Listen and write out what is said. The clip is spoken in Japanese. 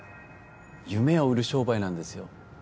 夢を売る商売なんですよ